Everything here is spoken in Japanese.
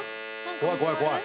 怖い怖い怖い。